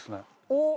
おっ！